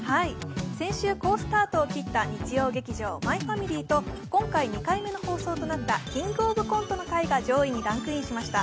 先週好スタートを切った日曜劇場「マイファミリー」と今回２回目の放送となった「キングオブコントの会」が上位にランクインしました。